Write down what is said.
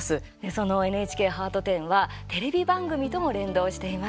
そのＮＨＫハート展はテレビ番組とも連動しています。